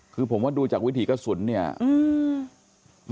คือผมว่าดูจากวิถีกระสุนเนี่ย